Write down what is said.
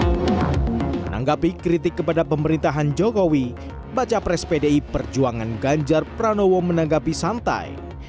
menanggapi kritik kepada pemerintahan jokowi baca pres pdi perjuangan ganjar pranowo menanggapi santai